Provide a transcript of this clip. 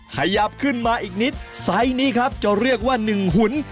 ขยับขึ้นมาอีกนิดไซส์นี้ครับจะเรียกว่าหนึ่งหุ่น